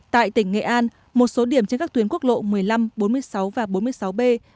tại tỉnh nghệ an một số điểm trên các tuyến quốc lộ một mươi năm bốn mươi sáu và bốn mươi sáu b